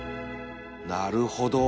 なるほど。